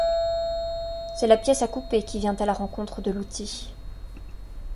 C'est la pièce à couper qui vient à la rencontre de l'outil.